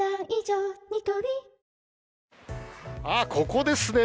ここですね。